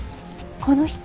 この人。